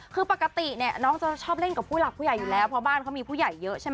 คือปกติเนี่ยน้องจะชอบเล่นกับผู้หลักผู้ใหญ่อยู่แล้วเพราะบ้านเขามีผู้ใหญ่เยอะใช่ไหม